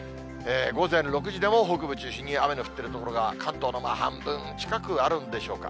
午前６時でも北部中心に、雨の降ってる所が、関東の半分近くあるんでしょうか。